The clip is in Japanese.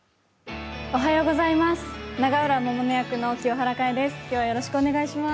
「なないろ」おはようございます。